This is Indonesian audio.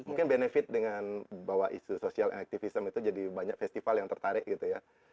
mungkin benefit dengan bahwa isu social activism itu jadi banyak festival yang tertarik gitu ya